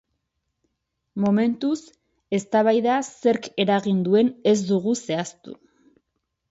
Momentuz, eztabaida zerk eragin duen ez dute zehaztu.